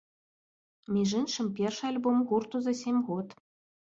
Між іншым, першы альбом гурту за сем год.